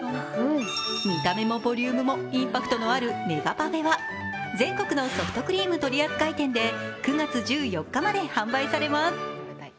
見た目もボリュームもインパクトのあるメガパフェは全国のソフトクリーム取扱店で９月１４日まで販売されます。